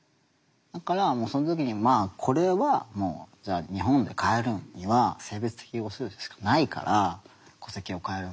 だからもうその時にこれはもうじゃあ日本で変えるには性別適合手術しかないから戸籍を変えるのは。